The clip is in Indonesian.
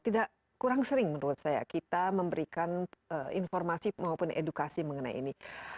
tidak kurang sering menurut saya kita memberikan informasi maupun edukasi mengenai ini